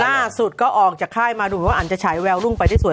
ล่าสุดก็ออกจากค่ายมาดูว่าอันจะฉายแววรุ่งไปได้สวย